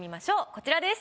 こちらです。